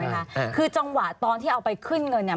คือตอนที่จังหวะต้องก็จะเอาไปขึ้นเงินนั่ง